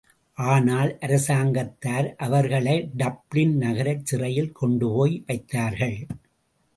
ஆனால் அரசாங்கத்தார் அவர்களை டப்ளின் நகரச் சிறையில் கொண்டுபோய் வைத்தார்கள்.